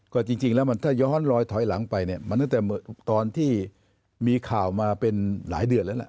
ก็จริงแล้วมันถ้าย้อนลอยถอยหลังไปเนี่ยมันตั้งแต่ตอนที่มีข่าวมาเป็นหลายเดือนแล้วล่ะ